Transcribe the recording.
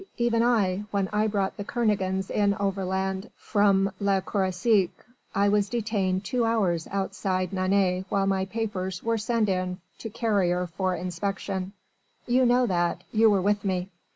even I, when I brought the Kernogans in overland from Le Croisic, I was detained two hours outside Nantes while my papers were sent in to Carrier for inspection. You know that, you were with me."